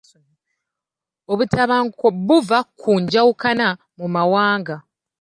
Obutabanguko buva ku njawukana mu mawanga.